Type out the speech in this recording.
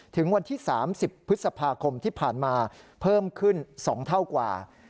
ถึงวันที่๓๐พฤษภาคมที่ผ่านมาเพิ่มขึ้น๒เท่ากว่า